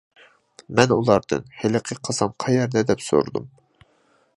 مەن ئۇلاردىن: «ھېلىقى قازان قەيەردە؟ » دەپ سورىدىم.